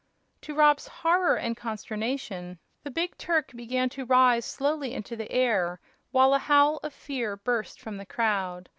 To Rob's horror and consternation the big Turk began to rise slowly into the air, while a howl of fear burst from the crowd.